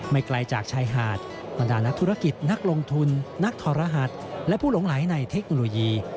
ไกลจากชายหาดบรรดานักธุรกิจนักลงทุนนักทรหัสและผู้หลงไหลในเทคโนโลยี